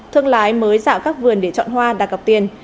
thương lái mới dạo các vườn để chọn hoa đạt gọc tiền